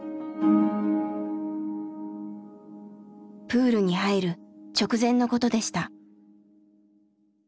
プールに入る直前のことでした。